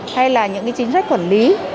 hay là những cái chính sách quản lý